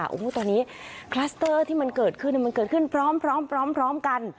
โอ้โหตอนนี้คลัสเตอร์ที่มันเกิดขึ้นมันเกิดขึ้นพร้อมกัน